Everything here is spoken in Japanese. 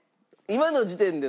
今の時点で？